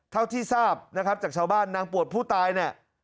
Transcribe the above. เท่าที่ทราบนะครับจากชาวบ้านนางปวดผู้ตายเนี่ย